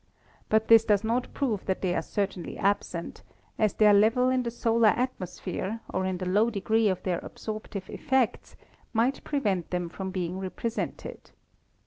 But this does not prove that they are certainly absent, as their level in the solar atmosphere, or the low degree of their absorptive effects, might prevent them from being represented.